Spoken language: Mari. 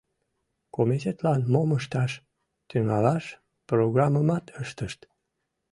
Комитетлан мом ышташ тӱҥалаш — программымат ыштышт.